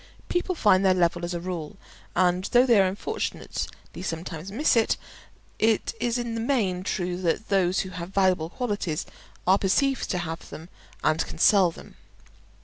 People find their level as a rule; and though they unfortunately sometimes miss it, it is in the main true that those who have valuable qualities are perceived to have them and can sell them.